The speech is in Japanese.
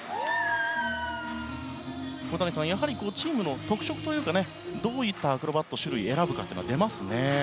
小谷さんやはりチームの特色というかどういったアクロバットの種類を選ぶかが出ますね。